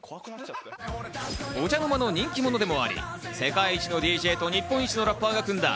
お茶の間の人気者でもあり、世界一のＤＪと日本一のラッパーが組んだ